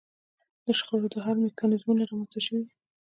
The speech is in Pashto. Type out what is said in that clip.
د شخړو د حل میکانیزمونه رامنځته شوي دي